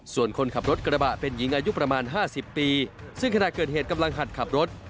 ส่วนคนขับรถกระบะเป็นหญิงอายุประมาณ๕๐ปีซึ่งขณะเกิดเหตุกำลังหัดขับรถ